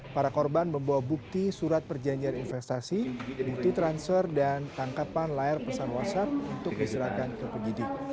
para korban membawa bukti surat perjanjian investasi bukti transfer dan tangkapan layar pesan whatsapp untuk diserahkan ke penyidik